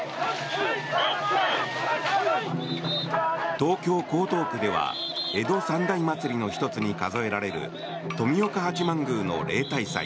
東京・江東区では江戸三大祭りの１つに数えられる富岡八幡宮の例大祭